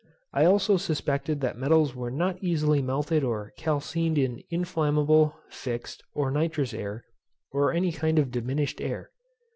I also suspected that metals were not easily melted or calcined in inflammable, fixed, or nitrous air, or any kind of diminished air.